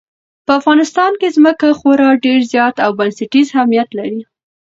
په افغانستان کې ځمکه خورا ډېر زیات او بنسټیز اهمیت لري.